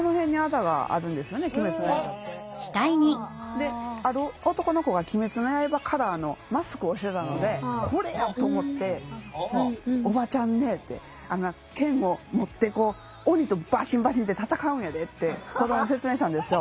である男の子が「鬼滅の刃」カラーのマスクをしてたので「これや！」と思って「おばちゃんね」って「あのな剣を持って鬼とバシンバシンって戦うんやで」って子どもに説明したんですよ。